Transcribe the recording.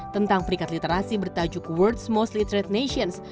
tentang peringkat literasi bertajuk world's most literate nations